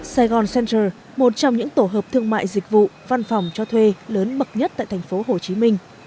saigon center một trong những tổ hợp thương mại dịch vụ văn phòng cho thuê lớn mực nhất tại tp hcm